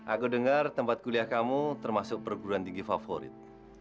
aku dengar tempat kuliah kamu termasuk perguruan tinggi favorit